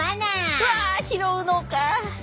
うわ拾うのか。